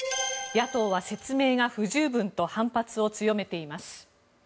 野党は説明が不十分と反発を強めています。